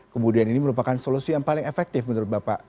kemudian ini merupakan solusi yang paling efektif menurut bapak